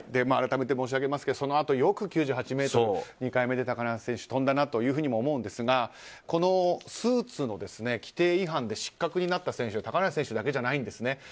改めて申し上げますがそのあと、９８ｍ２回目で高梨選手飛んだなというふうに思うんですがこのスーツの規定違反で失格になった選手は高梨選手だけじゃないんです。